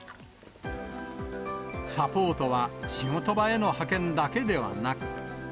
サポートは仕事場への派遣だけではなく。